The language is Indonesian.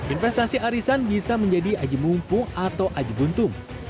investasi arisan bisa menjadi ajib mumpung atau ajib untung